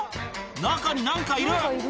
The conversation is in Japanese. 中になんかいる。